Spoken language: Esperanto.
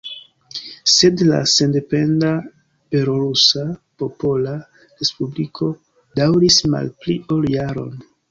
Sed la sendependa Belorusa Popola Respubliko daŭris malpli ol jaron.